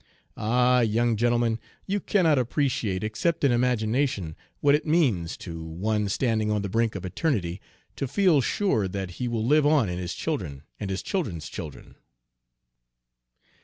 Ah, young gentleman, you cannot appreciate, except in imagination, what it means, to one standing on the brink of eternity, to feel sure that he will live on in his children and his children's children!"